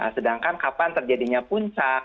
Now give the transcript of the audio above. sedangkan kapan terjadinya puncak